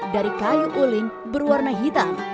dari kayu uling berwarna hitam